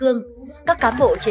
để một năm mới